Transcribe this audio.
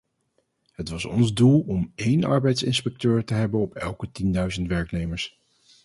Het was ons doel om één arbeidsinspecteur te hebben op elke tienduizend werknemers.